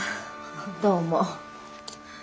どうも。